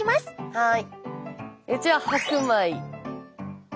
はい。